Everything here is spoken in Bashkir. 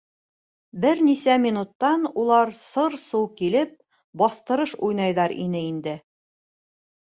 Бер нисә минуттан улар сыр-сыу килеп баҫтырыш уйнайҙар ине инде.